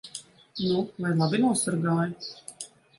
Nu vai labi nosargāji?